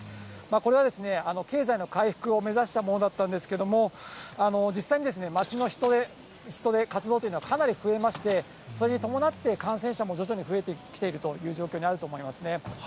これは経済の回復を目指したものだったんですけれども、実際に街の人出、活動というのはかなり増えまして、それに伴って、感染者も徐々に増えてきているという状況にあると思いますね。